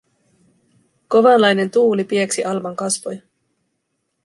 Kovanlainen tuuli pieksi Alman kasvoja.